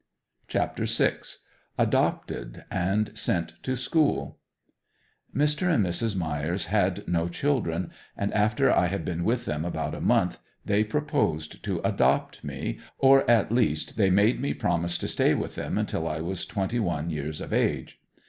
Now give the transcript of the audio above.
CHAPTER VI. ADOPTED AND SENT TO SCHOOL. Mr. and Mrs. Myers had no children and after I had been with them about a month, they proposed to adopt me, or at least they made me promise to stay with them until I was twenty one years of age.